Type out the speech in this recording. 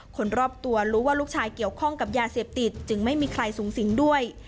คนรอบตัวรู้ว่าลูกชายเกี่ยวข้องกับยาเสพติดจึงไม่มีใครสูงสิงด้วย